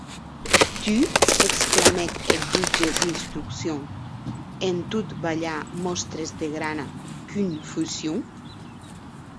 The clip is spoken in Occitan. Tu?, exclamèc eth jutge d’instrucción, en tot balhar mòstres de grana confusion.